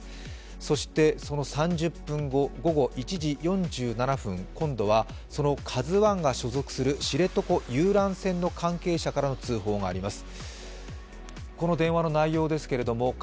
そしてその３０分後、午後１時４７分今度はその「ＫＡＺＵⅠ」が所属する知床遊覧船の関係者からの通報があります。